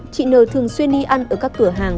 chị nờ thường xuyên đi ăn ở các cửa hàng